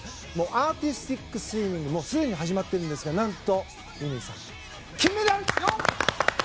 アーティスティックスイミングすでに始まっているんですが何と、乾さん、金メダル！